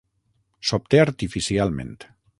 S'obté artificialment.